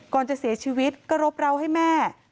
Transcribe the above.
ก่อนจะเสียชีวิตก็รบราวให้แม่